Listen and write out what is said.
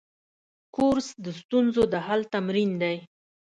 کورس د ستونزو د حل تمرین دی.